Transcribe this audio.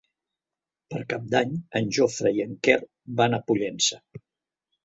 Per Cap d'Any en Jofre i en Quer van a Pollença.